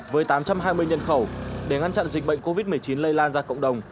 với tám trăm hai mươi nhân khẩu để ngăn chặn dịch bệnh covid một mươi chín lây lan ra cộng đồng